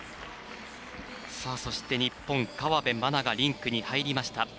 そして、日本河辺愛菜がリンクに入りました。